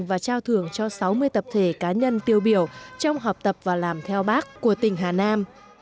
và trao thưởng cho sáu mươi tập thể cá nhân tiêu biểu trong học tập và làm theo bác của tỉnh hà nam